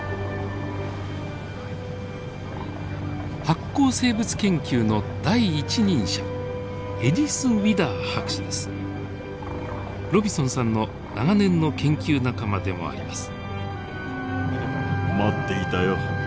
発光生物研究の第一人者ロビソンさんの長年の研究仲間でもあります。